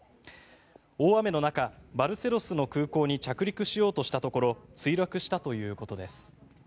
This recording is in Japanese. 大雨の中、バルセロスの空港に着陸しようとしたところ墜落したということです。